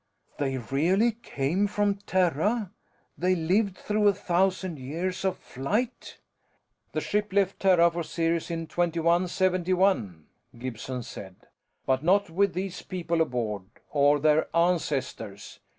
"They really came from Terra? They lived through a thousand years of flight?" "The ship left Terra for Sirius in 2171," Gibson said. "But not with these people aboard, or their ancestors.